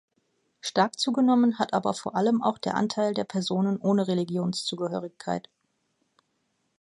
Stark zugenommen hat aber vor allem auch der Anteil der Personen ohne Religionszugehörigkeit.